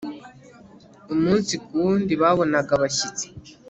Umunsi ku wundi babonaga abashyitsi